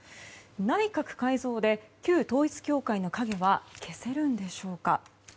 内閣改造で旧統一教会の影は消せるのでしょうか。